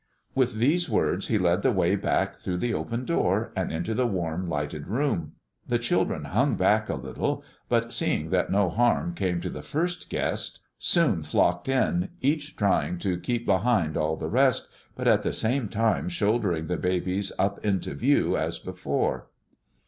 With these words he led the way back through the open door, and into the warm, lighted room. The children hung back a little, but seeing that no harm came to the first guest, soon flocked in, each trying to keep behind all the rest, but at the same time shouldering the babies up into view as before.